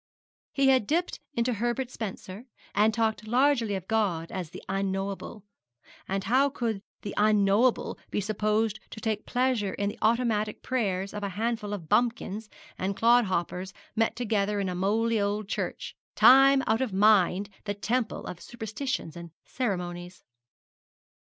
He had dipped into Herbert Spencer, and talked largely of God as the Unknowable; and how could the Unknowable be supposed to take pleasure in the automatic prayers of a handful of bumpkins and clodhoppers met together in a mouldy old church, time out of mind the temple of superstitions and ceremonies.